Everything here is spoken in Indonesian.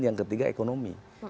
yang ketiga ekonomi